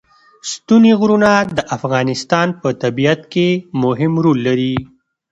ستوني غرونه د افغانستان په طبیعت کې مهم رول لري.